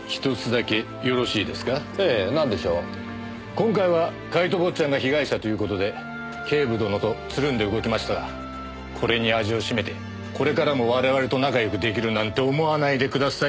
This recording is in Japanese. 今回はカイト坊ちゃんが被害者という事で警部殿とつるんで動きましたがこれに味をしめてこれからも我々と仲良く出来るなんて思わないでください。